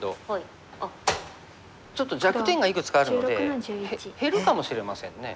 ちょっと弱点がいくつかあるので減るかもしれませんね。